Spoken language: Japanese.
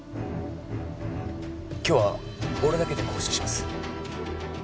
今日は俺だけで交渉します